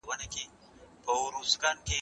دوی فکر کوي چي دا دوې څانګي سره یوځای کیږي.